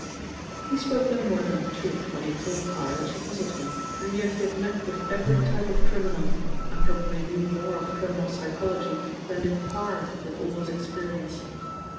He spoke no more than the truth when he had told Parr that she puzzled him, and yet he had met with every type of criminal, and probably knew more of criminal psychology than did Parr with all his experience.